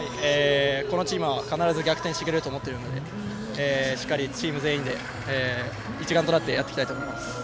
このチームは必ず逆転してくれると思ってるのでしっかりとチーム全員で一丸となってやっていきたいと思います。